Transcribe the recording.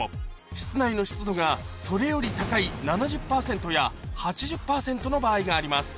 室内の湿度がそれより高い７０％や８０％の場合があります